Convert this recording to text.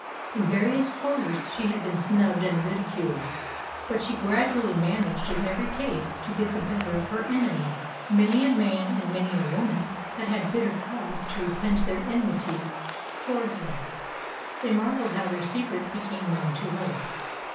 In various quarters she had been snubbed and ridiculed, but she gradually managed in every case to get the better of her enemies. Many a man and many a woman had had bitter cause to repent their enmity towards her. They marvelled how their secrets became known to her.